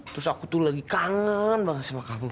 terus aku tuh lagi kangen banget sama kamu